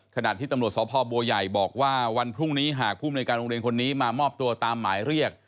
ขณะที่ตำรวจสพบัวใหญ่บอกว่าวันพรุ่งนี้หากผู้มนุยการโรงเรียนคนนี้มามอบตัวตามหมายเรียก